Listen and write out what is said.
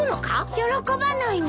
喜ばないの？